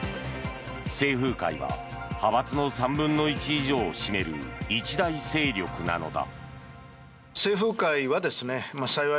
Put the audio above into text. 清風会は派閥の３分の１以上を占める一大勢力なのだ。